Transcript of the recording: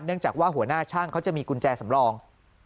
จากว่าหัวหน้าช่างเขาจะมีกุญแจสำรอง